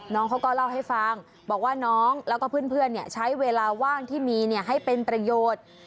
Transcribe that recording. น้องเขาก็เล่าให้ฟังบอกว่าน้องแล้วก็เพื่อนใช้เวลาว่างที่มีให้เป็นประโยชน์